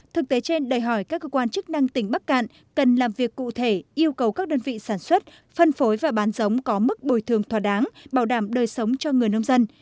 thực tế trên đòi hỏi các cơ quan chức năng tỉnh bắc cạn cần làm việc cụ thể yêu cầu các đơn vị sản xuất phân phối và bán giống có mức bồi thường thỏa đáng bảo đảm đời sống cho người nông dân